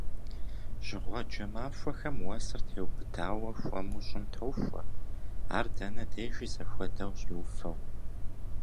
Жьыгъуэджэ махуэхэм уэсыр теубыдауэ, хуэму щӏым тохуэ, ар дэнэ дежи зэхуэдэу щӏиуфэу.